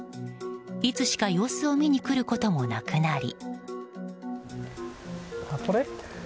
いつしか様子を見に来ることもなくなり。